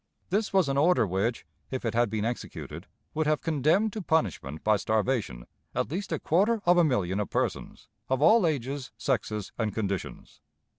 This was an order which, if it had been executed, would have condemned to punishment, by starvation, at least a quarter of a million of persons, of all ages, sexes, and conditions.